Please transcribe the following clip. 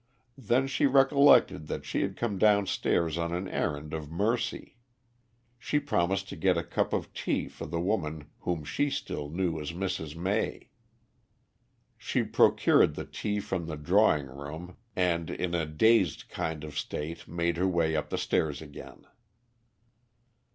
Then she recollected that she had come downstairs on an errand of mercy. She promised to get a cup of tea for the woman whom she still knew as Mrs. May. She procured the tea from the drawing room and, in a dazed kind of state made her way up the stairs again.